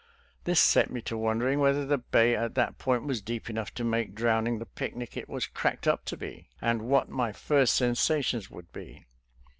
This set me to wondering whether the bay at that point was deep enough to make drowning the picnic it was cracked up to be, and what my first sensations would be.